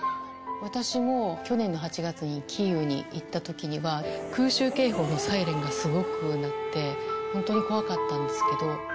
私も去年の８月にキーウに行ったときには、空襲警報のサイレンがすごく鳴って、本当に怖かったんですけど。